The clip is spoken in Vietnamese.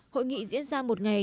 hội nghị diễn ra một ngày